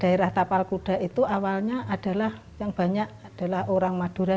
daerah tapal kuda itu awalnya adalah yang banyak adalah orang madura